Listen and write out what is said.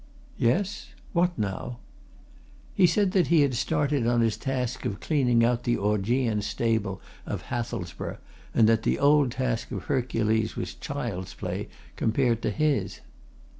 "Yes? What, now?" "He said that he had started on his task of cleaning out the Augean stable of Hathelsborough, and that the old task of Hercules was child's play compared to his."